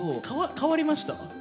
変わりました？